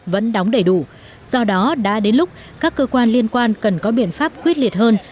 vẫn đóng đầy đủ do đó đã đến lúc các cơ quan liên quan cần có biện pháp quyết liệt hơn